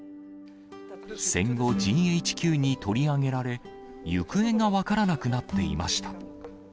戦後ＧＨＱに取り上げられ、行方が分からなくなっていました。